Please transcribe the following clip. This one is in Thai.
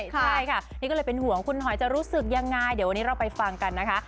ใช่ค่ะนี่ก็เลยเป็นห่วงคุณหอยจะรู้สึกยังไงเดี๋ยววันนี้เราไปฟังกันนะคะ